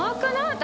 私。